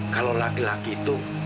kalau laki laki itu